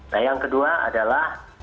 nah yang kedua adalah